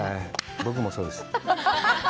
僕もそうです。